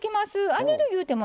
揚げる言うても